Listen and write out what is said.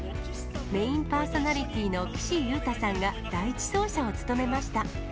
メインパーソナリティーの岸優太さんが第１走者を務めました。